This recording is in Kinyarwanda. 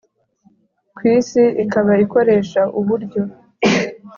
ku isi, ikaba ikoresha uburyo